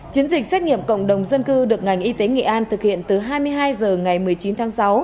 chiến dịch xét nghiệm cộng đồng dân cư được ngành y tế nghệ an thực hiện từ hai mươi hai h ngày một mươi chín tháng sáu